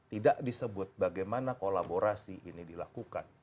tidak disebut bagaimana kolaborasi ini dilakukan